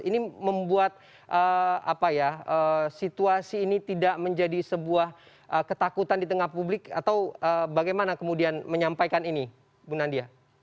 ini membuat situasi ini tidak menjadi sebuah ketakutan di tengah publik atau bagaimana kemudian menyampaikan ini bu nadia